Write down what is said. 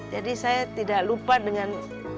jadi saya tidak lupa dengan